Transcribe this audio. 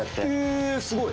えすごい！